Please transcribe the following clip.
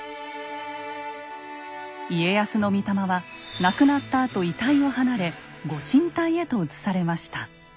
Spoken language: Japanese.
家康の御霊は亡くなったあと遺体を離れご神体へと移されました。